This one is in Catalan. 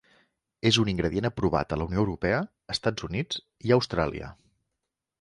És un ingredient aprovat a la Unió Europea, Estats Units i Austràlia.